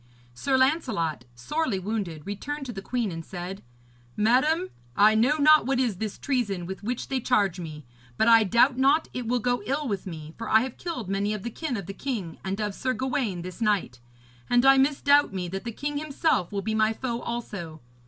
Sir Lancelot, sorely wounded, returned to the queen, and said: 'Madam, I know not what is this treason with which they charge me; but I doubt not it will go ill with me, for I have killed many of the kin of the king and of Sir Gawaine this night. And I misdoubt me that the king himself will be my foe also.